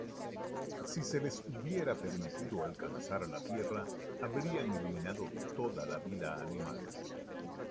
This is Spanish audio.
Si se les hubiera permitido alcanzar la Tierra, habrían eliminado toda la vida animal.